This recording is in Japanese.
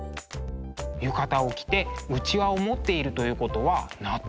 浴衣を着てうちわを持っているということは夏。